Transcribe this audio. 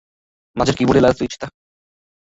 মাঝের কীবোর্ডের লাল সুইচটা।